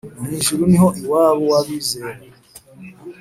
mw ijuru ni ho i wabo w'abizera.